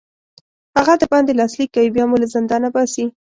هغه در باندې لاسلیک کوي بیا مو له زندان باسي.